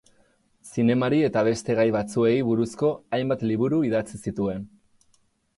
Zinemari eta beste gai batzuei buruzko hainbat liburu idatzi zituen.